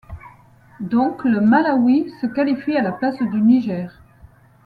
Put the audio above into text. Donc le Malawi se qualifie à la place du Niger.